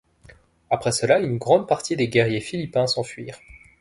Après cela une grande partie des guerriers philippins s’enfuirent.